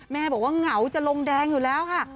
แม่บอกว่าเหงาจะลงแดงอยู่แล้วค่ะ